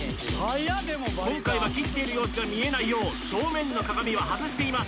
今回は切っている様子が見えないよう正面の鏡は外しています